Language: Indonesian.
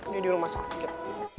dia di rumah sakit